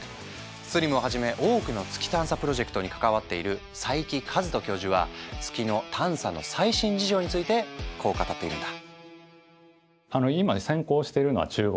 ＳＬＩＭをはじめ多くの月探査プロジェクトに関わっている佐伯和人教授は月の探査の最新事情についてこう語っているんだ。